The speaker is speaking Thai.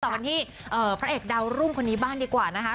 กันที่พระเอกดาวรุ่งคนนี้บ้างดีกว่านะคะ